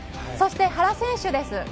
そして、原選手です。